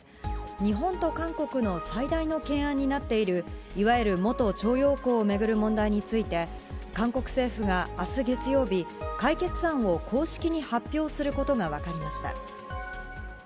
日本と韓国の最大の懸案になっているいわゆる元徴用工を巡る問題について、韓国政府が、あす月曜日、解決案を公式に発表することが分かりました。